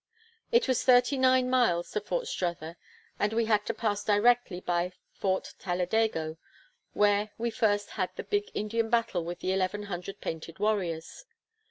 It was thirty nine miles to Fort Strother, and we had to pass directly by Fort Talladego, where we first had the big Indian battle with the eleven hundred painted warriors.